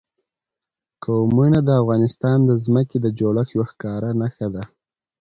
قومونه د افغانستان د ځمکې د جوړښت یوه ښکاره نښه ده.